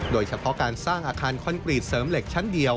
โดยเฉพาะการสร้างอาคารคอนกรีตเสริมเหล็กชั้นเดียว